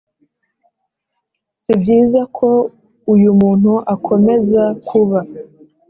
Si byiza ko uyu muntu akomeza kuba